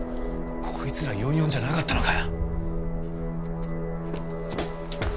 こいつら４４じゃなかったのか？